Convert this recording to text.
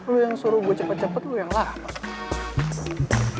lo yang suruh gue cepet cepet lo yang lapar